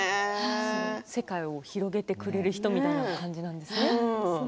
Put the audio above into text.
世界を広げてくれる人みたいな感じなんですね。